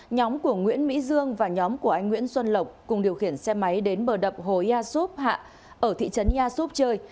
nhóm của nguyễn mỹ dương và nhóm của anh nguyễn xuân lộc cùng điều khiển xe máy đến bờ đập hồ yà xúc hạ ở thị trấn ea súp chơi